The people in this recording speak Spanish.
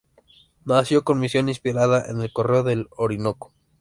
Nació con misión inspirada en el Correo del Orinoco.